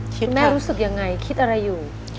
คุณแม่รู้สึกยังไงคิดอะไรอยู่